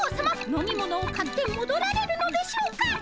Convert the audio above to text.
飲み物を買ってもどられるのでしょうか！